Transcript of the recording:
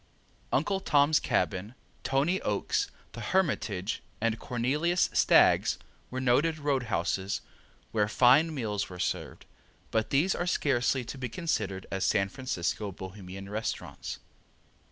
Uncle Tom's Cabin, Tony Oakes, the Hermitage, and Cornelius Stagg's were noted road houses where fine meals were served, but these are scarcely to be considered as San Francisco Bohemian restaurants.